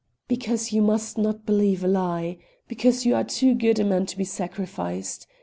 "Because you must not believe a lie. Because you are too good a man to be sacrificed.